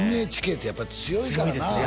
ＮＨＫってやっぱり強いからな強いですね